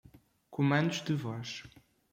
Comandos de voz.